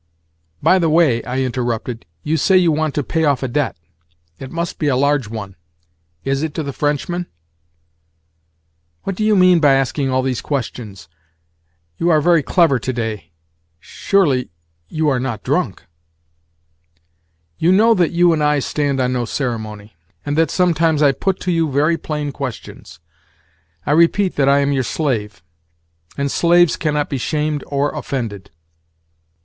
"By the way," I interrupted, "you say you want to pay off a debt. It must be a large one. Is it to the Frenchman?" "What do you mean by asking all these questions? You are very clever today. Surely you are not drunk?" "You know that you and I stand on no ceremony, and that sometimes I put to you very plain questions. I repeat that I am your slave—and slaves cannot be shamed or offended."